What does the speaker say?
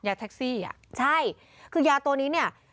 แท็กซี่อ่ะใช่คือยาตัวนี้เนี่ย